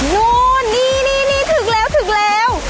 นู้นนี่ถึงแล้ว